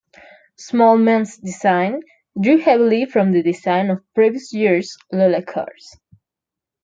Smallman's design drew heavily from the design of previous year's Lola cars.